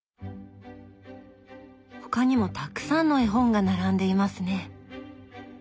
他にもたくさんの絵本が並んでいますね。